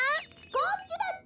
こっちだっちゃ。